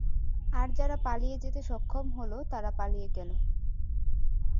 আর যারা পালিয়ে যেতে সক্ষম হল তারা পালিয়ে গেল।